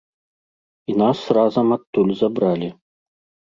І нас разам адтуль забралі.